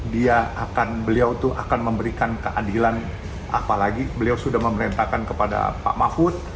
dia akan beliau itu akan memberikan keadilan apalagi beliau sudah memerintahkan kepada pak mahfud